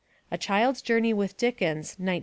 A Child's Journey With Dickens, 1912.